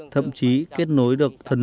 thậm chí kết nối được thần linh